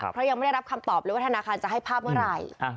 เพราะยังไม่ได้รับคำตอบเลยว่าธนาคารจะให้ภาพเมื่อไหร่